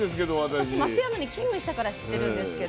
私松山に勤務したから知ってるんですけど。